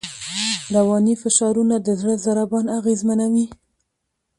رواني فشارونه د زړه ضربان اغېزمنوي.